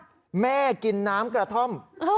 แม่กินน้ำกระท่อม